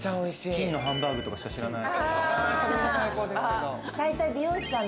金のハンバーグとかしか知らない。